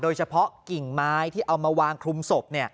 โดยเฉพาะกิ่งไม้ที่เอามาวางคลุมศพ